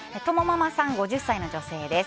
５０歳の女性です。